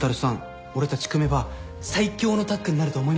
俺たち組めば最強のタッグになると思いません？